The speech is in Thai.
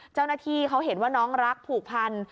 เจ้าหน้าที่เขาเห็นว่าน้องรักผูกพัน